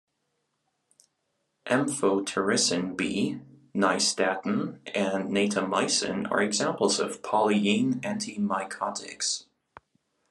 Amphotericin B, nystatin, and natamycin are examples of polyene antimycotics.